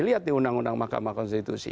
lihat di undang undang mahkamah konstitusi